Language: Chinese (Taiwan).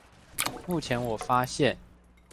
目前我發現